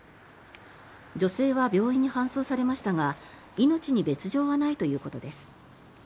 女性は病院に搬送されましたが命に別条はないということです。